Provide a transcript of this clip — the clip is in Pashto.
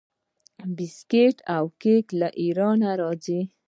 بسکیټ او کیک له ایران راځي.